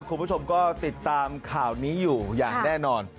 คุณผู้ชมก็ติดตามข่าวนี้อยู่อย่างแน่นอน